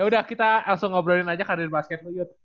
yaudah kita langsung ngobrolin aja karir basket lu yot